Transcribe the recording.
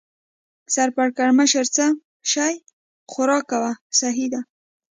سر پړکمشر: څه شی؟ خوراک کوه، سهي ده.